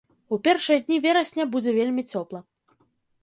У першыя дні верасня будзе вельмі цёпла.